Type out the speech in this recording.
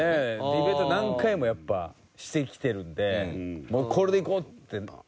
ディベート何回もやっぱしてきてるんでもうこれでいこうって。